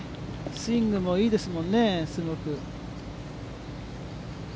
スイングもいいですものね、すごく。